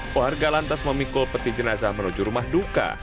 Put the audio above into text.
keluarga lantas memikul peti jenazah menuju rumah duka